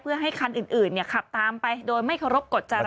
เพื่อให้คันอื่นขับตามไปโดยไม่เคารพกฎจร